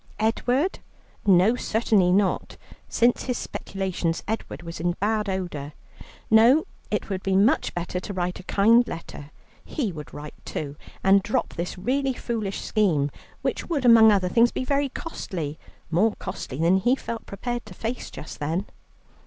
Edward? No, certainly not. Since his speculations, Edward was in bad odour. No, it would be much better to write a kind letter he would write too and drop this really foolish scheme, which would, among other things, be very costly, more costly than he felt prepared to face just then.